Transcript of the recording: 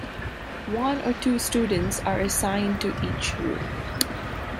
One or two students are assigned to each room.